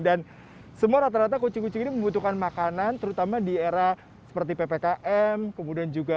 dan semua rata rata kucing kucing ini membutuhkan makanan terutama di era seperti ppkm kemudian juga